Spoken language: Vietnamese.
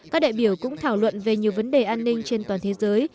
các đại biểu cũng thảo luận về nhiều vấn đề an ninh trên toàn thế giới